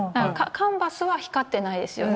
カンバスは光ってないですよね。